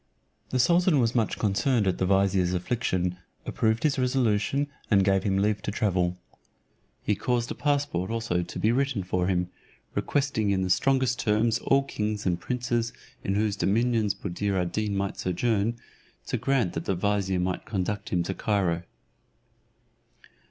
The sultan was much concerned at the vizier's affliction, approved his resolution, and gave him leave to travel. He caused a passport also to be written for him, requesting in the strongest terms all kings and princes in whose dominions Buddir ad Deen might sojourn, to grant that the vizier might conduct him to Cairo.